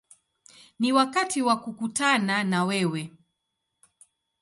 Ni wakati wa kukutana na wewe”.